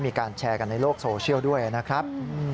มีการแชร์กันในโลกโซเชียลด้วยนะครับ